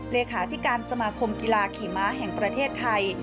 เลขาธิการสมาคมกีฬาขี่ม้าแห่งประเทศไทย